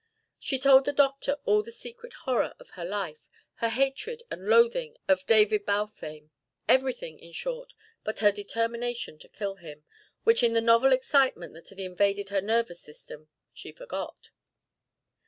She told the doctor all the secret horror of her life, her hatred and loathing of David Balfame; everything, in short, but her determination to kill him, which in the novel excitement that had invaded her nervous system, she forgot.